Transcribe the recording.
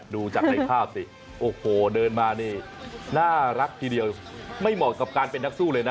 ดูจากในภาพสิโอ้โหเดินมานี่น่ารักทีเดียวไม่เหมาะกับการเป็นนักสู้เลยนะ